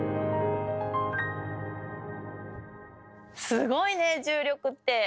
すごいね重力って！